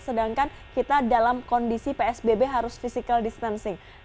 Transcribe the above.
sedangkan kita dalam kondisi psbb harus physical distancing